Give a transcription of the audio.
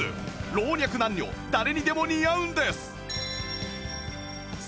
老若男女誰にでも似合うんです！